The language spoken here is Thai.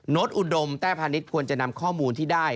อุดมแต้พาณิชย์ควรจะนำข้อมูลที่ได้